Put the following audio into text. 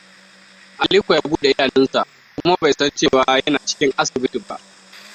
Alikoa ya buɗe idanunsa kuma bai san cewa yana cikin asibiti ba.